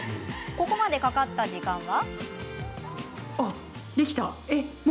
ここまで、かかった時間は。